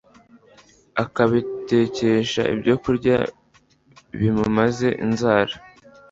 akabitekesha ibyo kurya bimumaze inzara